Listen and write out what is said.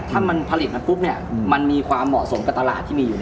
ถ้าผลิตมาปุ๊บเนี่ยมันมีความเหมาะสม